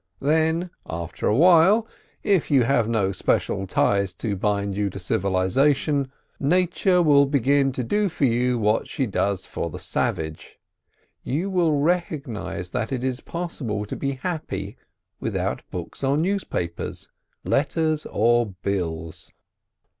Then, after a while, if you have no special ties to bind you to civilisation, Nature will begin to do for you what she does for the savage. You will recognise that it is possible to be happy without books or newspapers, letters or bills.